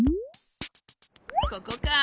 ここか。